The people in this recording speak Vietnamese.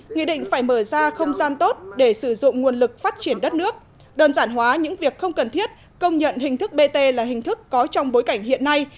nghị định phải mở ra không gian tốt để sử dụng nguồn lực phát triển đất nước đơn giản hóa những việc không cần thiết công nhận hình thức bt là hình thức có trong bối cảnh hiện nay